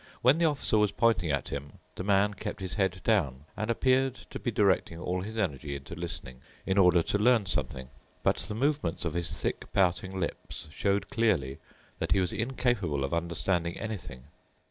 When the Officer was pointing at him, the man kept his head down and appeared to be directing all his energy into listening in order to learn something. But the movements of his thick pouting lips showed clearly that he was incapable of understanding anything.